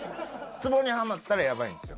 ツボにはまったら、やばいんですよ。